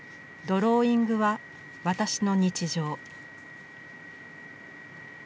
ドローイングは私の日常。